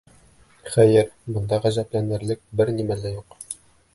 Хәйер, бында ғәжәпләнерлек бер нимә лә юҡ.